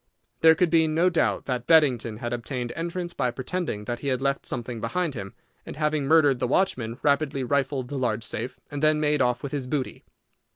There could be no doubt that Beddington had obtained entrance by pretending that he had left something behind him, and having murdered the watchman, rapidly rifled the large safe, and then made off with his booty.